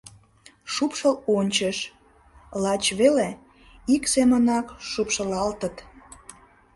Шупшыл ончыш: лач веле, ик семынак шупшылалтыт.